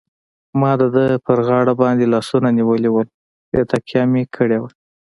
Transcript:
ما د ده پر غاړه باندې لاسونه نیولي وو، پرې تکیه مې کړې وه.